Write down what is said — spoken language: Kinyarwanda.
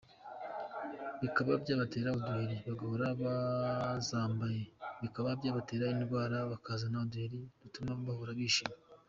bikaba byabatera uduheri, guhora bazambaye bikaba byabatera indwara, bakazana uduheri dutuma bahora bishima.